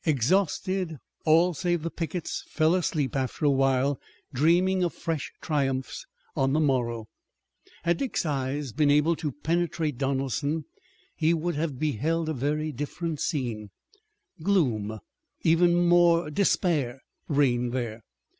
Exhausted, all save the pickets fell asleep after a while, dreaming of fresh triumphs on the morrow. Had Dick's eyes been able to penetrate Donelson he would have beheld a very different scene. Gloom, even more, despair, reigned there.